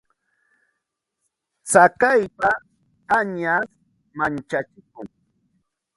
Tsakaypa añash manchachikun.